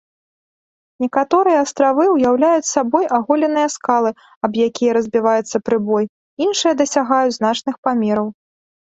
Некаторыя астравы ўяўляюць сабой аголеныя скалы, аб якія разбіваецца прыбой, іншыя дасягаюць значных памераў.